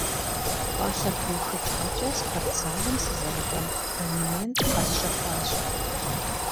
Пӏалъэ пыухыкӏакӏэ спортзалым сызэрыкӏуэн абонемент къэсщэхуащ.